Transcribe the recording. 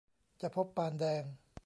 จะพบปานแดง